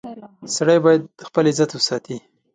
• سړی باید خپل عزت وساتي.